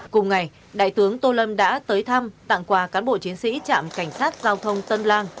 cùng ngày đại tướng tô lâm đã tới thăm tặng quà cán bộ chiến sĩ trạm cảnh sát giao thông tân lang